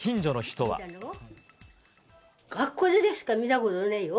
学校でしか見たことねえよ。